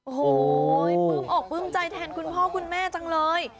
โอ้โหปลื้มอกปลื้มใจแทนคุณพ่อคุณแม่จังเลย